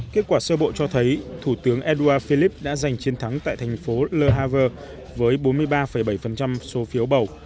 kết quả sơ bộ cho thấy thủ tướng edouard philippe đã giành chiến thắng tại thành phố le havre với bốn mươi ba bảy số phiếu bầu